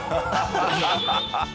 ハハハハ！